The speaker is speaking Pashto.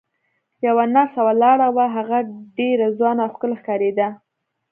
یوه نرسه ولاړه وه، هغه ډېره ځوانه او ښکلې ښکارېده.